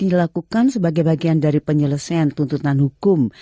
ini dilakukan sebagai bagian dari penyelesaian tuntutan hukum